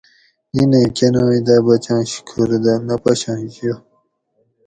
نینے کنوئی دہ بچنش کھور دہ نہ پشنش یہ